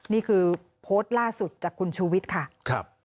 นี่คือโพสต์ล่าสุดจากคุณชูวิทย์ค่ะ